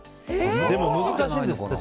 でも難しいんですって